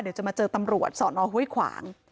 เดี๋ยวจะมาเจอตำรวจสอนอห้วยขวาง